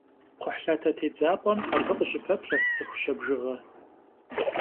Кхъухьлъатэ тедзапӏэм абы къыщыпэплъэрт цӏыху щэ бжыгъэ.